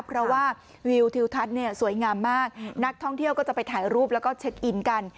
เพราะว่าวิวทิวทัศน์เนี่ยสวยงามมากนักท่องเที่ยวก็จะไปถ่ายรูปแล้วก็เช็คอินกัน